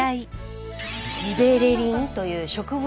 ジベレリンという植物